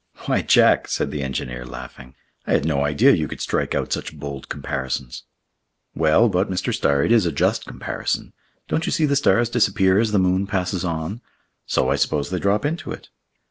"Why, Jack," said the engineer, laughing, "I had no idea you could strike out such bold comparisons!" "Well, but, Mr. Starr, it is a just comparison. Don't you see the stars disappear as the moon passes on? so I suppose they drop into it."